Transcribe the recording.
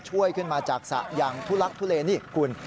ช่วยขึ้นมาจากสระอย่างทุลักทุเลนี่คุณ